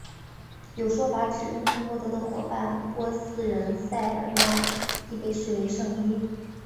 有说法指穆罕默德的伙伴波斯人塞尔曼亦被视为圣裔。